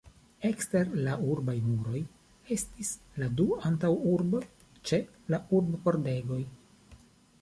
Ekster la urbaj muroj estis la du antaŭurboj ĉe la urb-pordegoj.